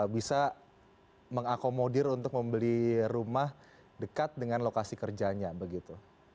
bisa mengakomodir untuk membeli rumah dekat dengan lokasi kerjanya begitu